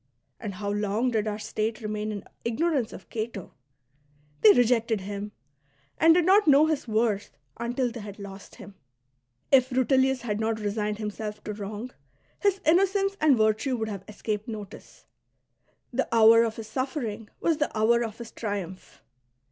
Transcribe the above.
And how long did our state remain in ignorance of Cato ! They rejected him, and did not know his worth until they had lost him. If Rutilius * had not resigned himself to wrong, his innocence and virtue would have escaped notice ; the hour of his suffering was the hour of his triumph.